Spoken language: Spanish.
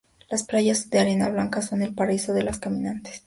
Las playas de arena blanca son el paraíso de los caminantes.